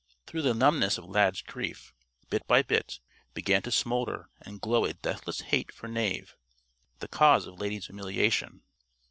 Through the numbness of Lad's grief, bit by bit, began to smolder and glow a deathless hate for Knave, the cause of Lady's humiliation.